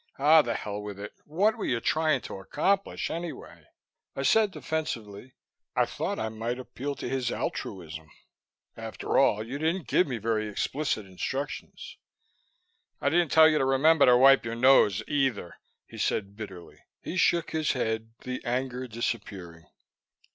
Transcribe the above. "Ah, the hell with it. What were you trying to accomplish, anyway?" I said defensively, "I thought I might appeal to his altruism. After all, you didn't give me very explicit instructions." "I didn't tell you to remember to wipe your nose either," he said bitterly. He shook his head, the anger disappearing.